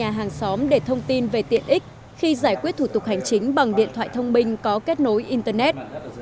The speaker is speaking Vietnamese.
anh giang đã nhờ nhà hàng xóm để thông tin về tiện ích khi giải quyết thủ tục hành chính bằng điện thoại thông minh có kết nối internet